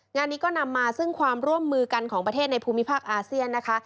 งานนี้ก็นำมาซึ่งความร่วมมือกันของประเทศในภูมิภาคอาเซียนนะคะ